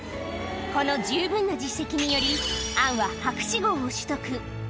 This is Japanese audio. この十分な実績により、アンは博士号を取得。